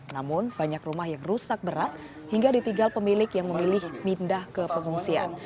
namun banyak rumah yang rusak berat hingga ditinggal pemilik yang memilih pindah ke pengungsian